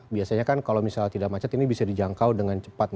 biasanya kan kalau misalnya tidak macet ini bisa dijangkau dengan cepat